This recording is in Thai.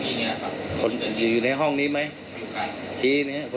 พอดีตอนที่ที่ผมพูดด้วยเนี่ยเป็นอ่าว่าไปที่นี่ตอนหน้าผมท่านครับ